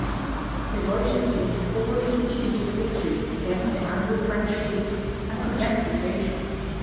De Ruyter gained four strategic victories against the Anglo-French fleet and prevented invasion.